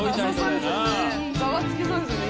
ざわつきそうですよね